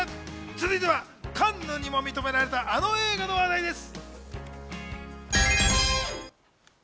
続いてはカンヌにも認められた、あの映画の話題です。